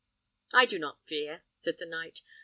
"I do not fear," said the knight.